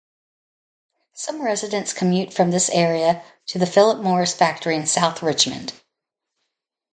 Some residents commute from this area to the Philip Morris factory in south Richmond.